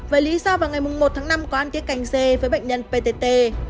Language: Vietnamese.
với lý do vào ngày mùng một tháng năm có an tiết cành dê với bệnh nhân ptt